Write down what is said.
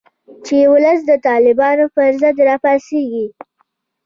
چې ولس د طالبانو په ضد راپاڅیږي